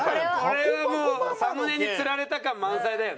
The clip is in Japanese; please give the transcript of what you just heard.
これはもうサムネに釣られた感満載だよね。